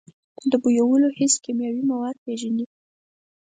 د بویولو حس کیمیاوي مواد پېژني.